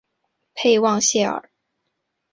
佩旺谢尔。